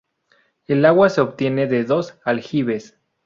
El agua se obtiene de dos aljibes.